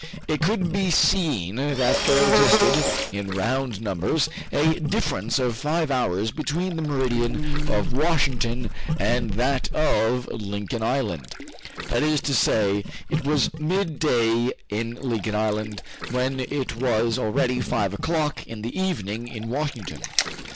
It could be seen that there existed, in round numbers, a difference of five hours between the meridian of Washington and that of Lincoln Island, that is to say, it was midday in Lincoln Island when it was already five o'clock in the evening in Washington.